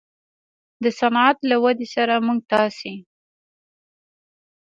د صنعت له ودې سره موږ تاسې